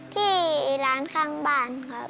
ที่ร้านข้างบ้านครับ